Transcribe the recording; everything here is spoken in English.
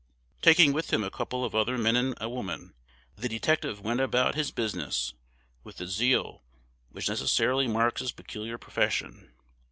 Taking with him a couple of other men and a woman, the detective went about his business with the zeal which necessarily marks his peculiar profession.